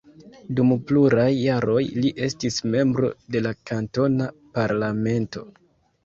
Dum pluraj jaroj li estis membro de la kantona parlamento.